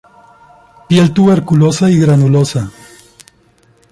Piel tuberculosa y granulosa.